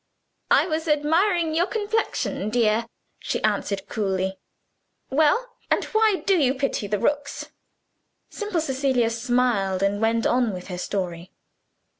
"I was admiring your complexion, dear," she answered coolly. "Well, and why do you pity the Rooks?" Simple Cecilia smiled, and went on with her story.